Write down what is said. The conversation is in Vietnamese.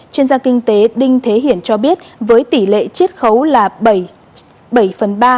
chuyên gia kinh tế đinh thế hiển cho biết với tỷ lệ chiết khấu là bảy phần ba